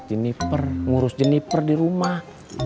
bawa jeniper ngurus jeniper di rumah